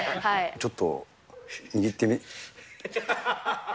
ちょっと、握ってみて。